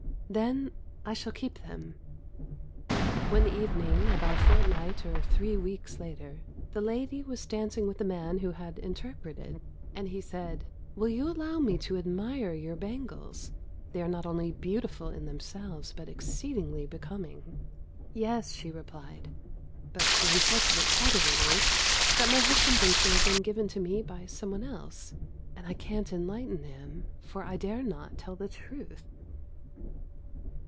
"Then I shall keep them." One evening, about a fortnight or three weeks later, the lady was dancing with the man who had interpreted, and he said, "Will you allow me to admire your bangles: they are not only beautiful in themselves but exceedingly becoming." "Yes," she replied, "but the unfortunate part of it is that my husband thinks they have been given to me by some one else, and I can't enlighten him, for I dare not tell the truth!"